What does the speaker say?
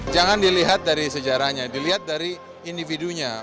jangan dilihat dari sejarahnya dilihat dari individunya